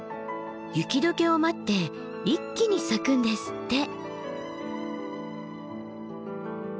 雪解けを待って一気に咲くんですって。